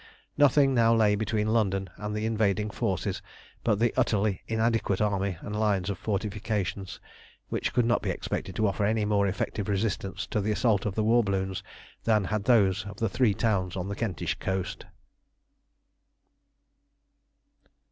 Nothing now lay between London and the invading forces but the utterly inadequate army and the lines of fortifications, which could not be expected to offer any more effective resistance to the assault of the war balloons than had those of the three towns on the Kentish coast.